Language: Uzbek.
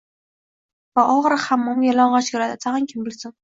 Va... oxiri hammomga yalang’och kiradi... tag’in kim bilsin...